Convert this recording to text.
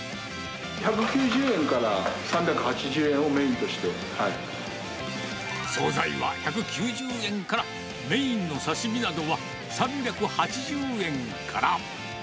１９０円から３８０円をメイ総菜は１９０円から、メインの刺し身などは３８０円から。